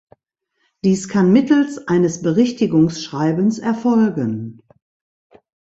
Dies kann mittels eines Berichtigungsschreibens erfolgen.